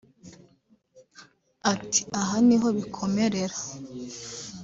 Ati “Aha ni ho bikomerera